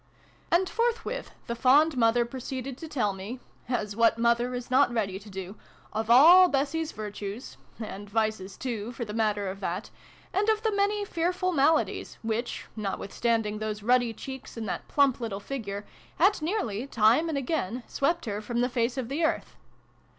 And forthwith the fond mother proceeded to tell me (as what mother is not ready to do ?) of all Bessie's virtues (and vices too, for the matter of that) and of the many fearful maladies which, notwithstanding those ruddy cheeks and that plump little figure, had nearly, time and again, swept her from the face of the earth.